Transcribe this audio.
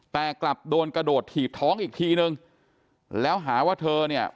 แต่กลับโดนกระโดดถีบท้องอีกทีนึงแล้วหาว่าเธอเนี่ย